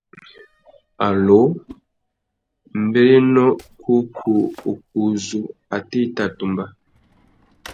Allô ; mbérénô kǔkú ukú uzu, atê i tà tumba ?